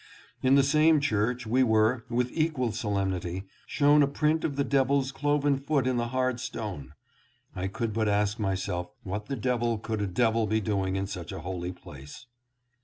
In the same church we were, with equal solemnity, shown a print of the devil's cloven foot in the hard stone. I could but ask myself what the devil could a devil be doing in such a holy place.